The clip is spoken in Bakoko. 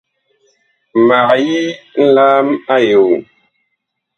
Mag yi nlaam a eon.